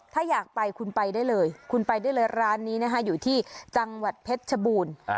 ถ้าอยากไปคุณไปได้เลยร้านนี้อยู่ที่จังหวัดเพชรชบูรณ์